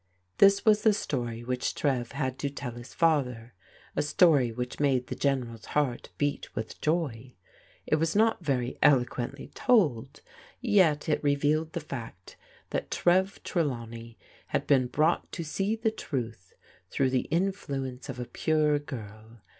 This was the story which Trev had to tell his father, a story which made the General's heart beat with joy. It was not very eloquently told, yet it revealed the fact that Trev Trelawney had been brought to see the truth through the influence of a pure girl.